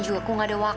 pernah bikin makasih ya